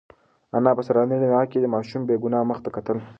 انا په سهارنۍ رڼا کې د ماشوم بې گناه مخ ته کتل.